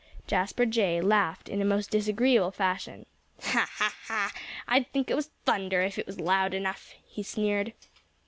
Jasper Jay laughed in a most disagreeable fashion. "I'd think it was thunder if it was loud enough," he sneered.